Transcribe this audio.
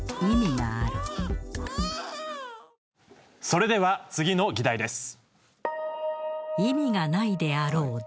それでは次の議題です。